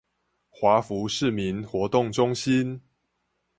華福市民活動中心